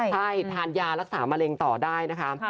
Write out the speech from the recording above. ใช่ทานยารักษามะเร็งต่อได้นะคะ